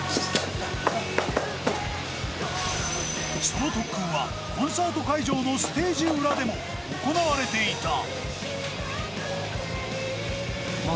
その特訓は、コンサート会場のステージ裏でも行われていた。